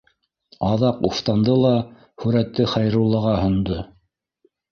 Аҙаҡ уфтанды ла һүрәтте Хәйруллаға һондо: